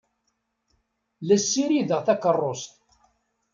La ssirideɣ takeṛṛust.